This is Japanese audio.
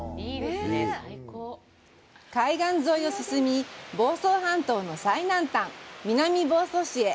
海岸沿いを進み房総半島の最南端、南房総市へ。